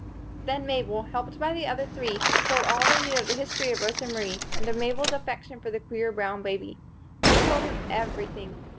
Then Mabel, helped by the other three, told all that they knew of the history of Rosa Marie; and of Mabel's affection for the queer brown baby. They told him everything.